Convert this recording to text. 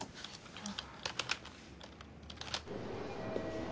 あっ！